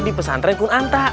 di pesantren pungganta